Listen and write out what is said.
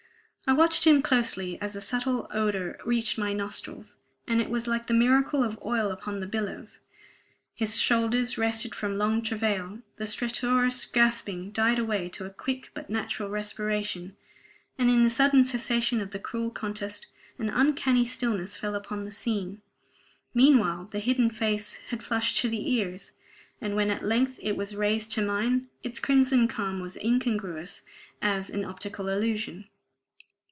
I watched him closely as a subtle odor reached my nostrils; and it was like the miracle of oil upon the billows. His shoulders rested from long travail; the stertorous gasping died away to a quick but natural respiration; and in the sudden cessation of the cruel contest, an uncanny stillness fell upon the scene. Meanwhile the hidden face had flushed to the ears, and, when at length it was raised to mine, its crimson calm was as incongruous as an optical illusion.